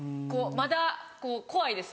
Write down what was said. まだ怖いです